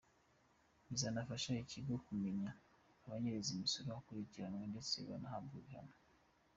Bikazanafasha ikigo kumenya abanyereza imisoro, bakurikiranwe ndetse banahabwe ibihano.